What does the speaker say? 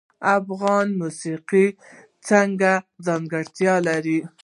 افغاني موسیقی څه ځانګړتیا لري؟